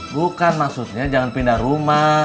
bukan maksudnya jangan pindah rumah